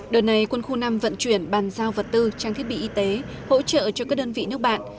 đợt này quân khu năm vận chuyển bàn giao vật tư trang thiết bị y tế hỗ trợ cho các đơn vị nước bạn